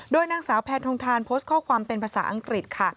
โดยนางสาวแพทองทานโพสต์ข้อความเป็นภาษาอังกฤษค่ะ